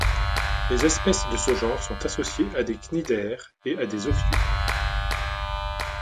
Les espèces de ce genre sont associées à des cnidaires et des ophiures.